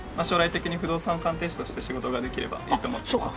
将来的に不動産鑑定士として仕事ができればいいと思ってます。